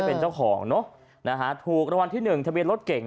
ไปที่๑ทะเบียนรถเก๋ง